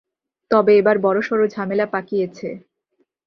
তবে এবার বড়সড় ঝামেলা পাকিয়েছে।